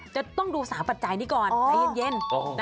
จะต้องดู๓ปัจจัยนี้ก่อนใจเย็น